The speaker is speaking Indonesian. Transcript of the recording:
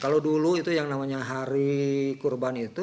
kalau dulu itu yang namanya hari kurban itu